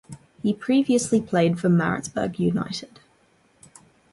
He previously played for Maritzburg United.